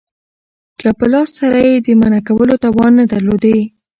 که په لاس سره ئې د منعه کولو توان نه درلودي